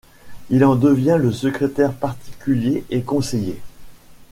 Il en devient le secrétaire particulier et conseiller.